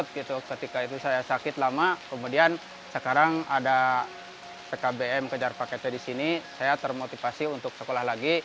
ketika itu saya sakit lama kemudian sekarang ada pkbm kejar paketnya di sini saya termotivasi untuk sekolah lagi